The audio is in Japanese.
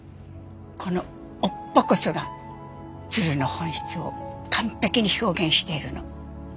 この尾っぽこそが鶴の本質を完璧に表現しているの。